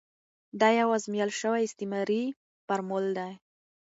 دا یو ازمویل شوی استعماري فورمول دی.